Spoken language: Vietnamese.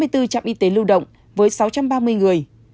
hai mươi bốn trạm y tế lưu động với sáu trăm ba mươi người